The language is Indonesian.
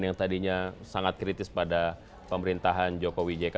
yang tadinya sangat kritis pada pemerintahan jokowi jk